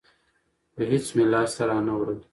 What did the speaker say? خو هېڅ مې لاس ته رانه وړل.